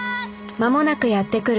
間もなくやって来る